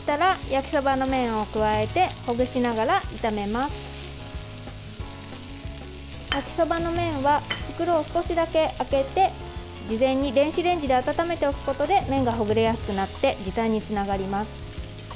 焼きそばの麺は袋を少しだけ開けて事前に電子レンジで温めておくことで麺がほぐれやすくなって時短につながります。